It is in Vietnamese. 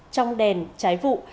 trong đèn trái vụ